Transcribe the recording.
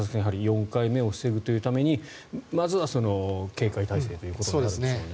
４回目を防ぐというためにまずは警戒体勢ということになるんでしょうね。